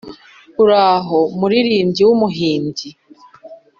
Uraho muririmbyi w'umuhimbyi